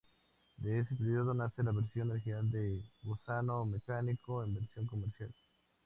De ese periodo nace la versión original de "Gusano Mecánico" en versión comercial.